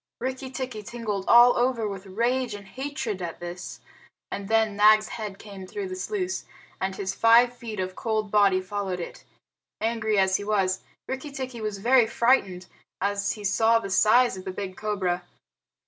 Rikki tikki tingled all over with rage and hatred at this, and then Nag's head came through the sluice, and his five feet of cold body followed it. Angry as he was, Rikki tikki was very frightened as he saw the size of the big cobra.